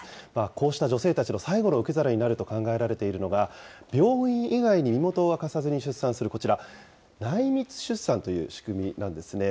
こうした女性たちの最後の受け皿になると考えられているのが、病院以外に身元を明かさずに出産するこちら、内密出産という仕組みなんですね。